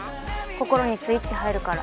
心にスイッチ入るから。